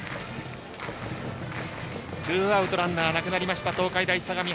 ツーアウトランナーなくなりました東海大相模。